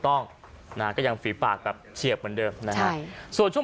ต้องนะฮะก็ยังฝีปากแบบเฉียบเหมือนเดิมนะฮะส่วนช่วง